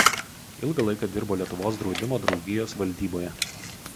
Ilgą laiką dirbo Lietuvos draudimo draugijos valdyboje.